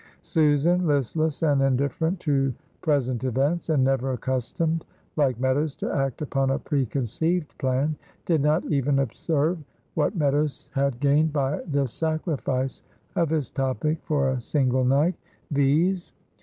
Susan, listless and indifferent to present events, and never accustomed, like Meadows, to act upon a preconceived plan, did not even observe what Meadows had gained by this sacrifice of his topic for a single night, viz.